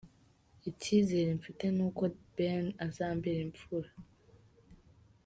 Icyizere mfite ni uko Ben azambera imfura.